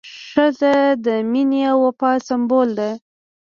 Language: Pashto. ښځه د مینې او وفا سمبول ده.